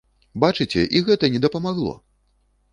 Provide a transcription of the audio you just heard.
Бачыце, і гэта не дапамагло!